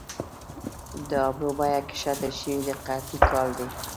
د ابرو بیه کښته شوې د قحطۍ کال دي